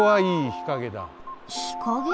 日陰？